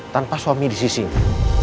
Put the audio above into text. tanpa suami di sisinya